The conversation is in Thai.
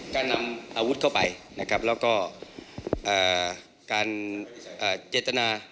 การนำอาวุธเข้าไปนะครับแล้วก็การเจตนา